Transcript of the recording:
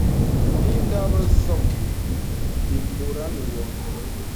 Ìndə̀ bəsōŋ bì bɔranə wɔ.